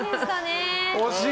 惜しい。